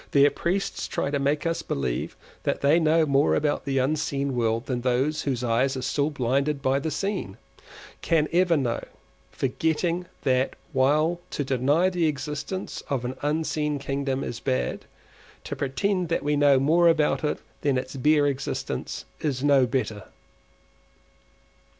Their priests try to make us believe that they know more about the unseen world than those whose eyes are still blinded by the seen, can ever know—forgetting that while to deny the existence of an unseen kingdom is bad, to pretend that we know more about it than its bare existence is no better.